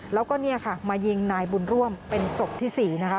แล้วก็เนี่ยค่ะมายิงนายบุญร่วมเป็นศพที่๔นะคะ